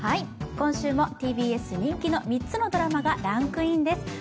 今週もＴＢＳ人気の３つの番組がランクインです。